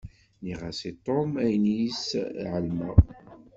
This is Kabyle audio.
Nniɣ-as i Tom ayen iss i εelmeɣ.